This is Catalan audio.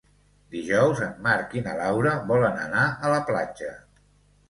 Dijous en Marc i na Laura volen anar a la platja.